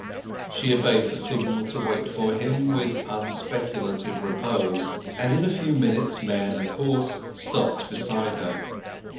She obeyed the signal to wait for him with unspeculative repose, and in a few minutes man and horse stopped beside her.